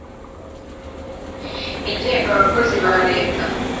igenga abakozi bareta